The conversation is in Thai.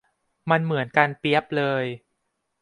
มันเหมือนกันเปี๊ยบเลย